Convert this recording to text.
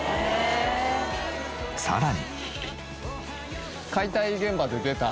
さらに。